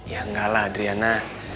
ya enggak lah adriana